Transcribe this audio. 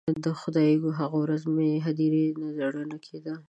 خدایږو، هغه ورځ مې هدیرې نه زړګی نه کیده